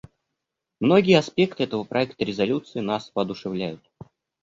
Многие аспекты этого проекта резолюции нас воодушевляют.